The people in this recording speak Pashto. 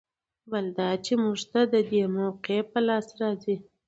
بله دا چې موږ ته د دې موقعې په لاس راځي.